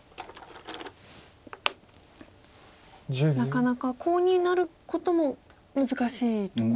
なかなかコウになることも難しいところ。